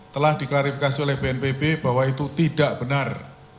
telah diklarifikasi oleh bnpb bahwa itu tidak benar